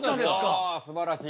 うわすばらしい。